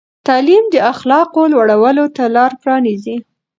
تعلیم د اخلاقو لوړولو ته لار پرانیزي.